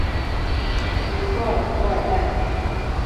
古托尔弗尔代。